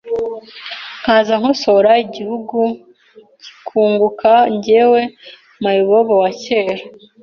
nkaza nkasora igihugu kikunguka, njyewe mayibobo wa cyera